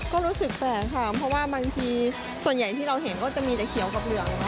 ก็รู้สึกแปลกค่ะเพราะว่าบางทีส่วนใหญ่ที่เราเห็นก็จะมีแต่เขียวกับเหลือง